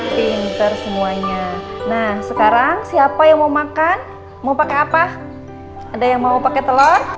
pinter semuanya nah sekarang siapa yang mau makan mau pakai apa ada yang mau pakai telur